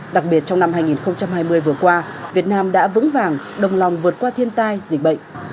đặc biệt trong năm hai nghìn hai mươi vừa qua việt nam đã vững vàng đồng lòng vượt qua thiên tai dịch bệnh